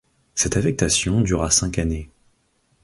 Cette affectation dura cinq années.